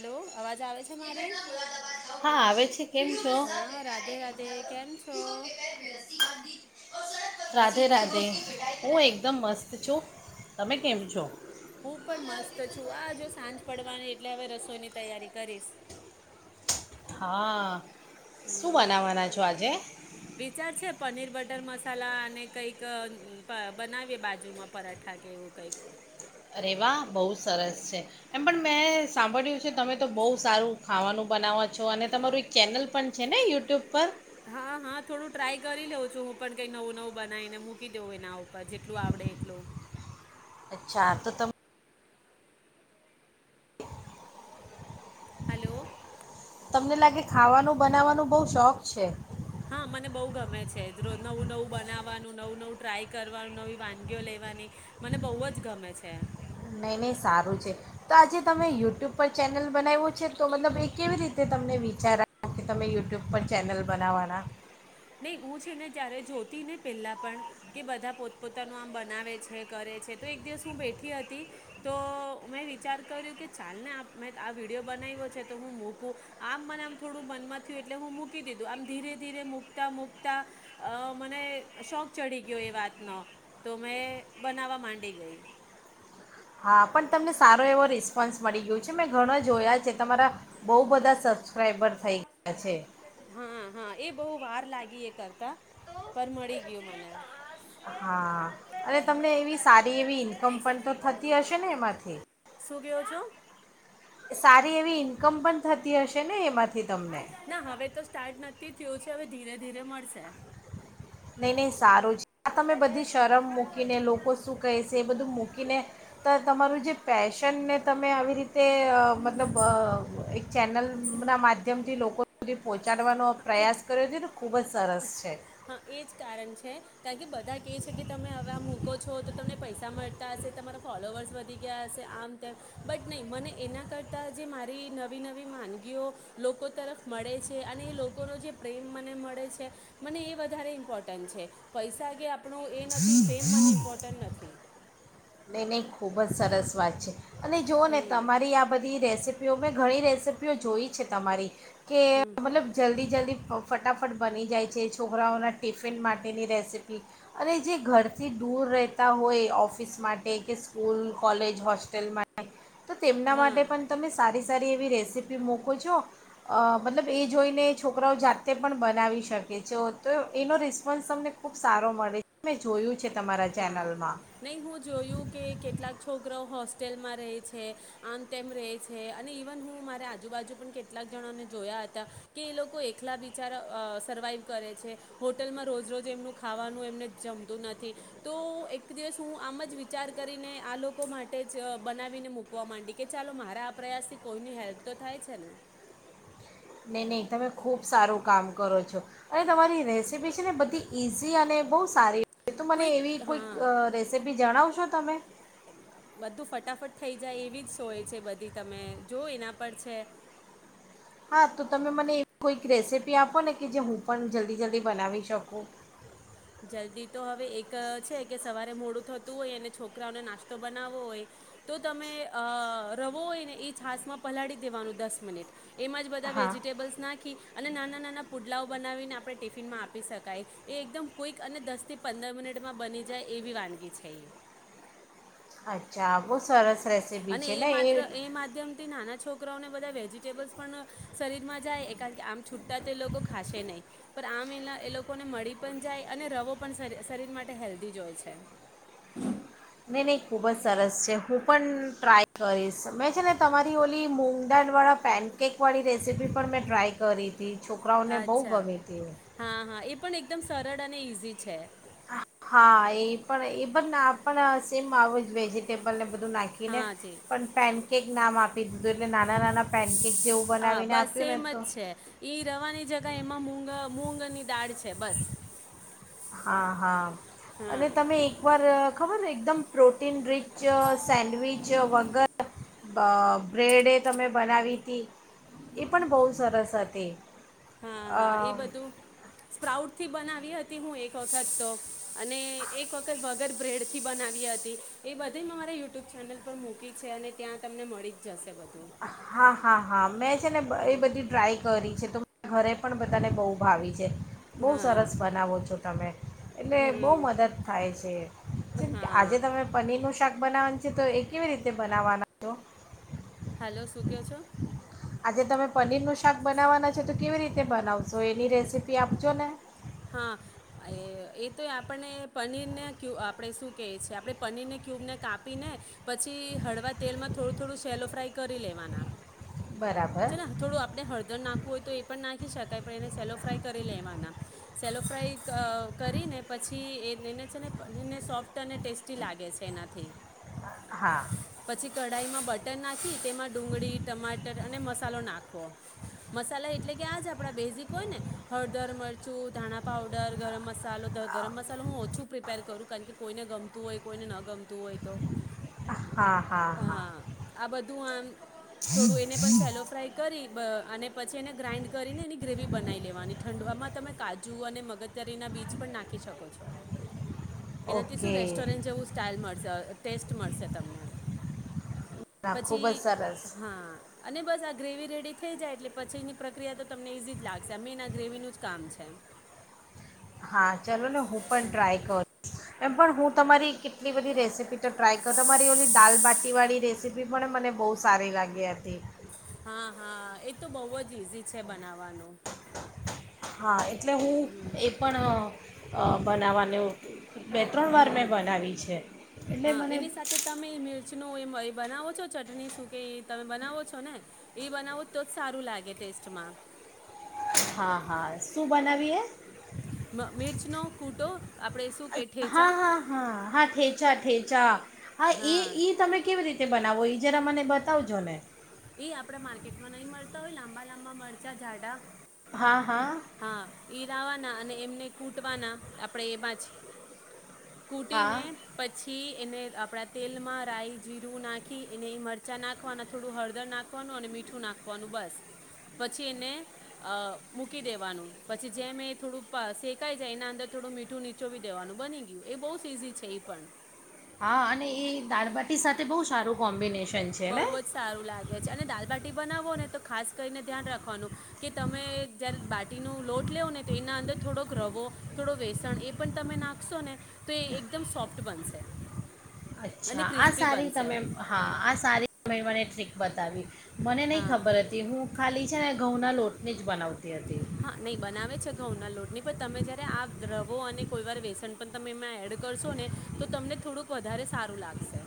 Hello, અવાજ આવે છે મારી? હા આવે છે કેમ છો હા, રાધે રાધે! કેમ છો? રાધે રાધે! હું એકદમ મસ્ત છું, તમે કેમ છો? હું પણ મસ્ત છું. આ જો સાંજ પડવાની, એટલે હવે રસોઈની તૈયારી કરીસ. હા. સુ બનાવવાના છો, આજે? વિચાર છે પનીર બટર મસાલા અને કંઈક પ, અ, બનાવીએ બાજુમાં પરાઠા કે એવું કંઈક. અરે, વાહ! બહુ સરસ છે. એમ પણ મેં સાંભળ્યું, તમે તો બહુ સારું ખાવાનું બનાવવા છો અને તમારું એક ચેનલ પણ છે ને યુટ્યુબ પર? હા, હા, થોડું ટ્રાય કરી લઉં છું, હું પણ કઈ નવું નવું બનાવીને મૂકી દેઉં એના ઉપર, જેટલું આવડે એટલું. અચ્છા, તો તમ હલો, તમને લાગે ખાવાનું બનાવવાનો બહુ શોખ છે! હા, મને બહુ ગમે છે, જ રોજ નવું નવું બનાવવાનું, નવું નવું ટ્રાય કરવાનું, નવી વાનગીઓ લેવાની, મને બહુ જ ગમે છે! નહીં, નહીં સારું છે! તો આ જે તમે યુટ્યુબ પર ચેનલ બનાયવો છે તો, મતલબ, એ કેવી રીતે તમને વિચાર આયો કે તમે યુટ્યુબ પર ચેનલ બનાવવાના? નહી, હું છે ને ત્યારે જોતીને પેલા પણ કે બધા પોતપોતાનું આમ બનાવે છે, કરે છે તો એક દિવસ હું બેઠી હતી, તો મેં વિચાર કર્યો કે, ચાલ ને, મે આ વિડીયો બનાયવો છે તો હું મૂકું. આમ મને આમ થોડું મનમાં થયું, એટલે હું મૂકી દીધું આમ ધીરે ધીરે મુક, મુકતામુકતા મને શોખ ચડી ગયો એ વાતનો, તો મેં બનાવવા માંડી ગઈ. હા, પણ તમને સારો એવો રિસ્પોન્સ મળી ગયો છે, મેં ઘણા જોયા છે, તમારા બહુ બધા સબસ્ક્રાઈબર થઈ ગયા છે. હા, હા, એ બહુ વાર લાગી, એ કરતા પણ મળી ગયું મને. હા, અને તમને એવી, સારી એવી ઈન્કમ પણ તો થતી હશે ને એમાંથી? શું કયો છો? સારી એવી ઈન્કમ પણ થતી હશે ને એમાં? ના, હવે તો સ્ટાર્ટ નથી, થયું છે. હવે, ધીરે ધીરે મળસે. નઈ નહી સારું છે, આ તમે બધી શરમ મૂકીને, લોકો શું કહેસે, એ બધું મૂકી કીને તો તમારું જે પેશનને તમે આવી રીતે તે મતલબ એક ચેનલના માધ્યમથી લોકો હ. પહોંચાડવાનો એટ પ્રયાસ કર્યો છે તો ખૂબ જ સરસ છે. હા એ જ કારણ છે કારણ કે બધા કેહે છે કે તમે હવે મૂકો છો તો તમને પૈસા મળતા હશે તમારા ફોલોવર્સ વધી ગયા હશે આમ તેમ બટ નહીં મને એના કરતાં જે મારી નવી નવી વાનગીઓ લોકો તરફ મળે છે. અને એ લોકોનો જે પ્રેમ મને મળે છે મને એ વધારે ઇમ્પોર્ટન્ટ છે પૈસા કે આપ આપણું એ નથી ફેમ મને ઇમ્પોર્ટન્ટ નથી. નઈ નઈ ખૂબ જ સરસ વાત છે. અને જોઓ ને હમ તમારી આ બધી રેસીપી મેં ઘણી રેસીપીઓ જોઈ છે તમારી કે મતલબ જલ્દી-જલ્દી ફટાફટ બની જાય છે છોકરાઓના ટિફિન માટેની રેસીપી અને જે ઘરથી દૂર રહેતા હોય ઓફ ઓફિસ માટે કે સ્કૂલ, કોલેજ, હોસ્ટેલ માંટે તો તેમના હા માટે પણ તમે સારી સારી એવી રેસીપી મકો છો મતલબ એ જોઈને છોકરાઓ જાતે પણ બનાવી શકે છે તો એનો રિસ્પોન્સ તમને ખૂબ સારો મળે છે મેં જોયું છે તમારા હા ચેનલમાં. નહીં હું જોયું કે કેટલાક છોકરાઓ હોસ્ટેલમાં રહે છે આમ તેમ રહે છે અને ઇવન હું મારે આજુબાજુ પણ કેટલાક જણાને જોયા હતા કે એ લોકો એકલા બિચારા સર્વાઈવ કરે છે હોટલમાં રોજ રોજ એમનું ખાવાનું એમને જમતું નથી. તો એક દિવસ હું આમ જ વિચાર કરીને આ લોકો માટે જ બનાવીને મુૂકવા માંડી કે ચાલો મારા આ પ્રયાસથી કોઈની હેલ્પ તો થાય છે ને. નહીં નહીં તમે ખૂબ સારું કામ કરો છો, અને તમારી રેસીપી છે ને બધી ઇઝી અને બહુ સારી એ તું મને એવી કોઈક રેસીપી જણાવશો. તમે બધું ફટાફટ થઈ જાય એવી જ સોય છે બધી તમે જો એના પર છે. હા તો તમે મને એવી કોઈક રેસીપી આપો ને કે જે હું પણ જલ્દી-જલ્દી બનાવી શકું. જલ્દી તો હવે એક છે કે સવારે મોડું થતું હોય અને છોકરાઓને નાસ્તો બનાવવો હોય તો તમે અ રવો હોય ને એ છાસ માં પલાળી દેવાનું દસ મિનિટ એમાં જ બધા હા વેજીટેબલ્સ નાખી અને નાના નાના પુડલાઓ બનાવીને આપણે ટિફિનમાં આપી શકાય એ એકદમ કોઈક અને દસ થી પંદર મિનિટમાં બની જાય એવી વાનગી છે. અચ્છા આ બું સરસ રેસીપી અને છે એ ને માત્ર એ માધ્યમથી નાના છોકર છોકરાઓને બધા વેજિટેબલ્સ પણ શરીરમાં જાય કારણ કે આમ છૂટતાં તો એ લોકો ખાશે નહીં, પણ આમ એના એ લોકોને મળી પણ જાય અને રવો પણ શરીર માટે હેલ્ધી જ હોય છે. નહીં નહીં ખૂબ જ સરસ છે. હું પણ ટ્રાય કરીશ મેં છે ને તમારી ઓલી મૂગ દાળવાળા પેનકેકવાળી રેસીપી પણ મેં ટ્રાય કરી. તે છોકરાઓને બહુ અચ્છા ગમે તી. હા હા એ પણ એકદમ સરળ અને ઇઝી છે. હા એ પણ એ પણ આપણ સેમ આવ જ વેજીિટેબલ બધું નાખીને હા જી પણ પેન કેક નામ આપી દીધું એટલે નાના નાના પેનકેક જેવું હા બનાવીને બસ આપ્યું ને સેમ જ તો છે ઈ રવાની જગ એમાં મુગા મૂગની દાળ છે બસ હા હા અને હા તમે એક વાર ખબરને એકદમ પ્રો ટિન રિચ સેન્ડવિચ વગર બ બ્રેડે તમે બનાવી હતી એ પણ બહુ સરસ હતી. હા અ હા એ બધું સ્પ્રાઉટ થી બનાવી હતી હું એક વખત તો અને એક વખત વગર બ્રેડથી બનાવી હતી એ બધી માહરા યુટ્યુબ ચેનલ પર મૂકી છે અને ત્યાં તમને મળી જ જશે બધું. હા હા હા મેં છે ને એ બધી ટ્રાય કરી છે તો ઘરે પણ બધાને બહુ ભાવિ છે બહુ સરસ હા બનાવો છો તમે એટલે બહુ હમ મદદ થાય છે જેમ કે આજે હા તમે પનીરનું શાક બનાવાની છે તો એ કેવી રીતે બનાવવાના છો હેલો શું કેવો છો આજે તમે પનીરનું શાક બનાવવાના છો તો કેવી રીતે બનાવશો એની રેસીપી આપજો ને હા એ એ તો આપને પનીરને ક્ય આપણે શું કહે છે આપણે પનીરને ક્યુબને કાપીને પછી હળવા તેલમાં થોડું થોડું સેલો ફ્રાય કરી લેવાના બરાબર ચલા થોડું આપણે હળદર નાખવું હોય તો એ પણ નાખી શકાય પણ એને સેલો ફ્રાય કરી લેવાના સેલો ફ્રાય અ કરીને પછી એ એને છે ને એને સોફ્ટ અને ટેસ્ટી લાગે છે એનાથી હા કડાઈ મા બટર ના તેમાં ડુંગળી ટમાટર અને મસાલો નાખ નાખો મસાલા એટલે કે આ જ આપણા બેઝિક હોય ને હળદર મરચું ધાણા પાઉડર ગરમ મસાલો ગરમ મસાલો હું ઓછું પ્રિપેર કરું કારણ કે કોઈને ગમતું હોય કોઈને ન ગમતું હોય તો હા આ બધું આમ થોડું એને પણ સેલો ફ્રાય કરી બ અને પછી એને ગ્રાઇન્ડ કરીને એની ગ્રેવી બનાઈ લેવાની ઠંડુ એમાં તમે કાજુ અને મગતારીના બીજ પણ નાખી શકો છો એનાથી શું ઓકે રેસ્ટોરન્ટ જેવુ સ્ટાઈઇલ મળશે ટેસ્ટ મળશે તમને ના ખૂબ પછી જ સરસ હા અને બસ આ ગ્રેવી રેડી થઈ જાય એટલે પછીની પ્રક્રિયા તો તમને ઇઝી જ લાગશે મેન આ ગ્રેવીનું જ કામ છે છે હા ચલો ને હું પણ ટ્રાય કરું એમ પણ હું તમારી આટલી બધી રેસીપી તો ટ્રાય કરો મારી ઓલી દાલબાટીવાળી રેસીપી પણ મને બહુ સારી લાગી હતી હા હા એ તો બહુ જ ઈઝી છે બનાવ હા એટલે હું એ પણ અ બનાવાને બે ત્રણ વાર મેં હમ બનાવી છે એટલે હા મને એની સાથે તમે એ મિર્ચનું એમ એ બનાવો છો ચટણી શું કે તમે બનાવો છો ને એ બનાવો તોજ સારું લાગે ટેસ્ટમાં. હા હા શું બનાવીએ? મ મિર્ચનો કૂટો આપણે શું કે હા ઠેચા હા હા હા ઠેચા ઠેચા હા એ તમે કેવી રીતે તે બનાવવો ઇ જરા મને બતાવજો ને. એ આપડા માર્કેટમાં નહી મળતા હોય લાંબા લાંબા મરચાં જાડા હા હા હા ઈ લાવાનું અને એમને કૂટવાના આપણે એમાં જ હા કૂટીને પછી એને આપણા તેલમાં રાય જીરું નાખી એને મરચાં નાખવા થોડું હળ દર નાખવાનું અને મીઠું નાખવાનું બસ પછી એને અ મૂકી દેવાનું પછી જેમ એ થોડું શેકાઈ જાય એના અંદર થોડું મીઠું નીચોવી દેવાનું બની ગયું એ બોજ ઈઝી છે એ પણ. હા અને એ દાળબાટી સાથે બહુ સારું કોમ્બિનેશન છે બહુ ને જ સારું લાગે છે અને દાલબાટી બનાવો ને તો ખાસ કરીને ધ્યાન રાખવાનું કે તમે જ્યારે બાટીનો લોટ લેવ ને તો એના અંદર થોડોક રવો થોડો વેસણ એ પણ તમે નાખશો ને તો એ એકદમ સોફ્ટ બનશે. અને અચ્છા આ ક્રિસ્પી સારી બનશે તમે હા આ સારી [unintelligible] શીખ બતાવી મને નહી હા ખબર હતી હું ખાલી છે ને ઘઉંના લોટની જ બનાવતી હતી. હા નહી બનાવે છે ઘઉંના લોટની પણ તમે જયારે આ રવો અને કોઈ વાર વેસન પણ તમે એમાં એડ કરશો ને તો તમને થોડુંક વધારે સારું લાગશે.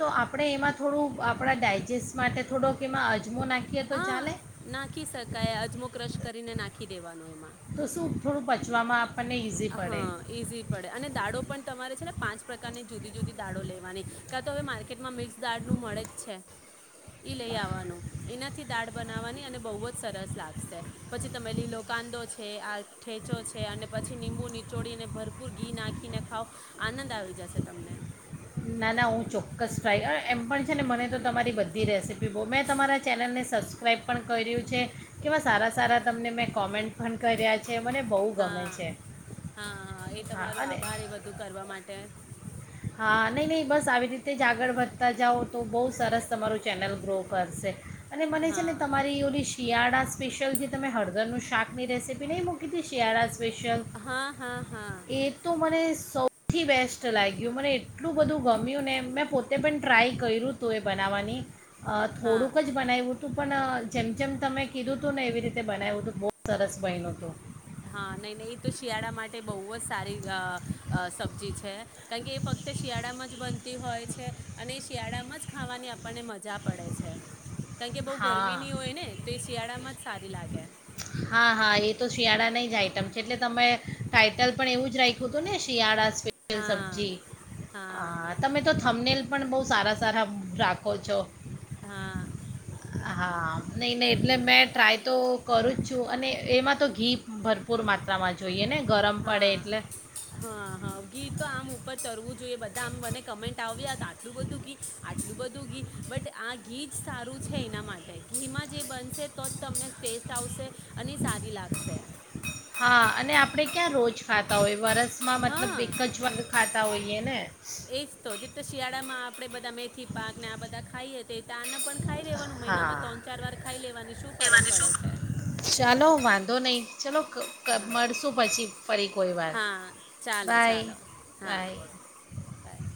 તો આપણે એમાં થોડું આપણા ડાયજેસ્ટ માટે થોડોક એમાં અજમો નાખીએ તો હા ચાલે નાખી શકાય અજમો ક્રશ કરીને નાખી દેવાનું એમાં. તો શું થોડું પચવામાં આપ હા ઈઝી પડે અને દાડો પણ તમારે છે ને પાંચ પ્રકારની જુદી જુદી દાળો લેવાની કા તો હવે માર્કેટમાં મિક્સ દાળ નું મળે જ છે ઈ લઈ આવવાનું એનાથી દાળ બનાવવાની અને બહુ જ સરસ લાગશે પછી તમે લીલો કાંદો છે આ ઠેચો છે અને પછી લિંબુ નીચોડીને ભરપૂર ઘી નાખીને ખાવ આનંદ આવી જશે તમને. ના ના હું ચોક્કસ ટ્રાય એમ પણ છે ને મને તો તમારી બધી રેસીપી બો મેં તમારા ચેનલને સબસ્ક્રાઈબ પણ કર્યું છે કેવા સારા સારા તમને મેં કોમેન્ટ પણ કર્યા છે. મને બહુ ગમે હા છે હા એ હા તમારો અને આભાર એ બધું કરવા માટે. નઈ બસ આવી રીતે જ આગળ વધતા જાઓ તો બહુ સરસ તમારું ચેનલ ગ્રો કરશે. અને મને છે હા ને તમારી ઓલી શિયાળા સ્પેશિયલથ જે તમે હળદરનું શાકની રેસીપી નહીં મૂકી હતી શિયાળા સ્પેશિયલ હા હા હા એ તો મને સૌથી બેસ્ટ લાગ્યું મને એટલું બધું ગમ્યું ને મેં પોતે પણ ટ્રાય કર્યું હતું એ બનાવવાની અ થોડુંક હા જ બનાયવુ તું પણ જેમ જેમ તમે કીધું તું ને એવી રીતે બનાવ્યું તું બોવ સરસ બયનું તું. હા નહીં નહીં એ તો શિયાળા માટે બહુ જ સારી અ અ સબ્જી છે કારણ કે એ ફક્ત શિયાળામાં જ બનતી હોય છે અને એ શિયાળામાં જ ખાવાની આપણને મજા પડે છે. કારણ કે બહ હા ગરમીની હોય ને તો એ શિયાળામાં જ સારી લાગે. હા હા એ તો શિયાળાની એટલે તમે ટાાઈટલ પણ એવું જ રાખ્યું હતું ને શિયાળા હા સબ્જી હ હા તમે તો થમ્બનેલ પણ બહુ સારા સારા રાખો છો. હા. હા. નહીં નહીં એટલે હમ મેં ટ્રાય તો કરું જ છું. અને એમાં તો ઘી ભરપૂર માત્રામાં જોઈએ ને. ગરમ પડે હા એટલે હા હા, ઘી. તો આમ ઉપર તરવું જોઈએ. બધા આમ મને કમેન્ટ આવ્યા આટલું બધું ઘી, આટલું બધું ઘી. બટ, આ ઘી જ સારું છે. એના માટે ઘીમાં જે બનશે તો જ તમને ટેસ્ટ આવશે. અને સારી લાગશે. હા, અને આપડે ક્યાં રોજ ખાતા હોય? વરસ. હા, ને એજ તો જે તો શિયાળામાં આપડે બધા મેથી પાક ને, આ બધા. ખાઈએ તો એ [inaudible] પણ ખાઈ લેવાનું, હા મહિનામાં ત્રણ ચાર વાર ખાઈ લેવાની. શું ફરક પડે છે? ચાલો વાંધો નહીં ચલો ક ક હા મળશું પછી ફરી કોઈ વાર. હા ચાલો બાય ચાલો હા બાય. બાય